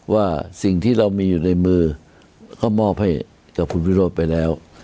ว่าสิ่งที่เรามีอยู่ในมือเขามอบให้กับคุณวิโรธไปแล้ว